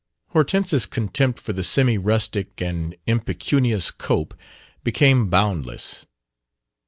Hortense's contempt for the semi rustic and impecunious Cope became boundless.